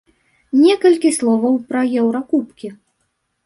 Некалькі словаў пра еўракубкі.